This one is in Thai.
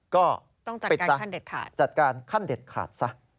ก็ต้องจัดการขั้นเด็ดขาด